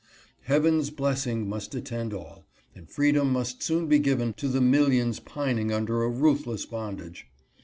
Heaven's blessing must attend all, and freedom must soon be given to the millions pining under a ruthless bondage.